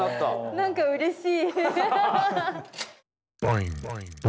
何かうれしい。